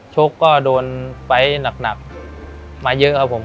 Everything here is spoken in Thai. ชกก็โดนไฟล์หนักมาเยอะครับผม